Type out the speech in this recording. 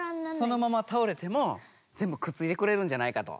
そのままたおれてもぜんぶくっついてくれるんじゃないかと。